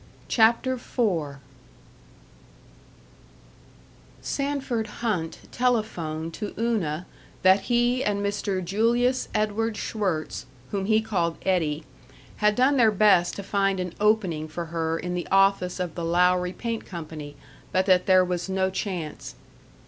CHAPTER IV Sanford Hunt telephoned to Una that he and Mr. Julius Edward Schwirtz whom he called "Eddie" had done their best to find an "opening" for her in the office of the Lowry Paint Company, but that there was no chance.